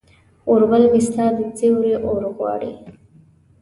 اوربل مې ستا د سیوري اورغواړي